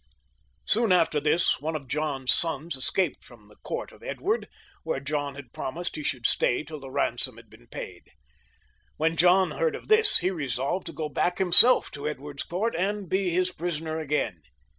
Soon after this one of John's sons escaped from the court of XXVI.] JOHN {LE BON), 175 Edward, where John had promised he should stay till the ransom had been paid. When John heard of this he resolved to go back himself to Edward's court and be his prisoner again.